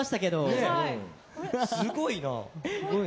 すごいな。